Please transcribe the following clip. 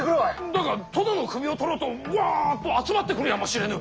だが殿の首を取ろうとわあっと集まってくるやもしれぬ！